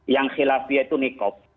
yang khilafiyah itu nikob